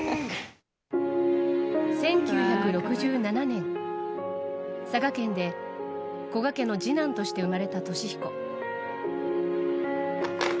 １９６７年、佐賀県で古賀家の次男として生まれた稔彦。